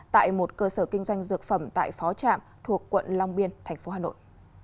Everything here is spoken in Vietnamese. tại một cơ sở kinh doanh dược phẩm tại phó trạm thuộc quận long biên tp hà nội